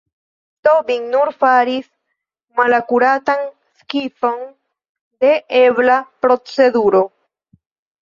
Tobin nur faris malakuratan skizon de ebla proceduro.